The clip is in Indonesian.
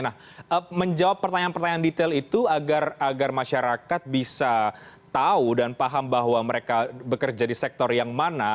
nah menjawab pertanyaan pertanyaan detail itu agar masyarakat bisa tahu dan paham bahwa mereka bekerja di sektor yang mana